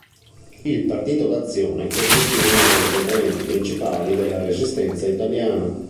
Il Partito d'Azione costituì una delle componenti principali della Resistenza italiana.